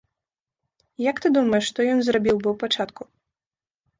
Як ты думаеш, што ён зрабіў бы ў пачатку?